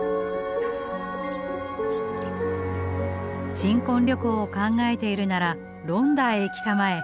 「新婚旅行を考えているならロンダへ行きたまえ。